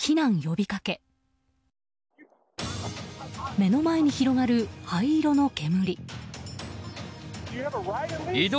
目の前に広がる灰色の煙。